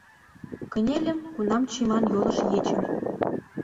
Кынельым, кунам чийыман йолыш ечым